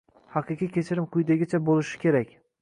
Haqiqiy kechirim quyidagicha bo‘lishi kerak.